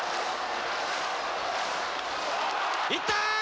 いった！